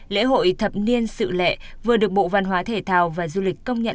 lễ hội thập niên sự lệ vừa được bộ văn hóa thể thao và du lịch công nhận